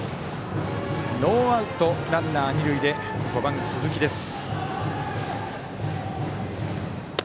ノーアウトランナー、二塁でバッター、５番、鈴木です。